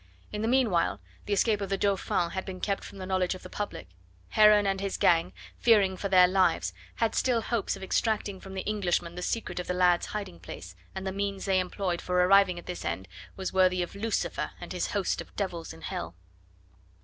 In the meanwhile the escape of the Dauphin had been kept from the knowledge of the public; Heron and his gang, fearing for their lives, had still hopes of extracting from the Englishman the secret of the lad's hiding place, and the means they employed for arriving at this end was worthy of Lucifer and his host of devils in hell.